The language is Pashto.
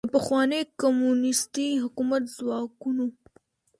د پخواني کمونیستي حکومت ځواکونو